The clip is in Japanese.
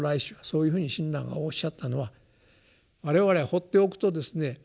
そういうふうに親鸞がおっしゃったのは我々放っておくとですね